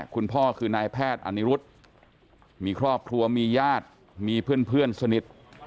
คุณพ่อคือนายแพทย์อนิรุธมีครอบครัวมีญาติมีเพื่อนสนิท